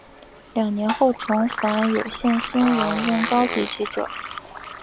两年后重返有线新闻任高级记者。